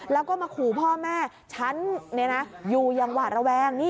แล้วก็มาขู่พ่อแม่ฉันอยู่อย่างหวาดระแวง